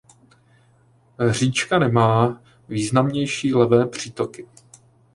Říčka nemá významnější levé přítoky.